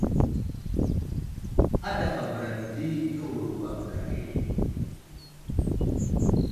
A ɗafabəra ge di nəwuro a bəra ge.